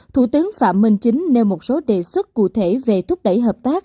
thủ tướng phạm minh chính nêu một số đề xuất cụ thể về thúc đẩy hợp tác